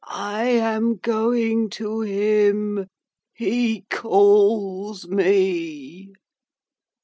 'I am going to him. He calls me.